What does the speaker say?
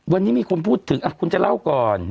วันนี้มีคนพูดถึงคุณจะเล่าก่อน